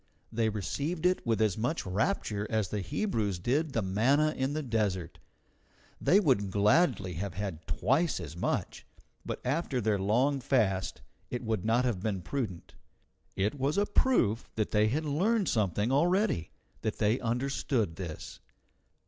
They received it with as much rapture as the Hebrews did the manna in the desert. They would gladly have had twice as much, but after their long fast it would not have been prudent. It was a proof that they had learned something already, that they understood this.